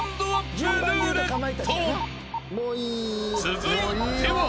［続いては］